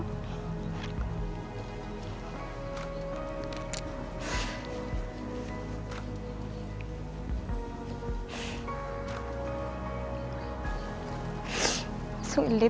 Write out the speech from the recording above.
sulit hidup sendiri